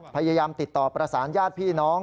พยายามติดต่อประสานญาติพี่น้อง